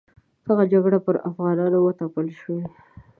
دغه جګړې پر افغانانو وتپل شوې.